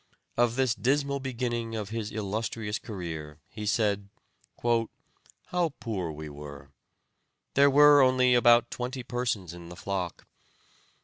Of this dismal beginning of his illustrious career he said: "How poor we were! There were only about twenty persons in the flock.